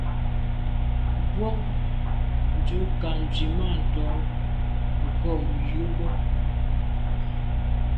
Mbwôg ndù kà nzwimàntô ghom yube.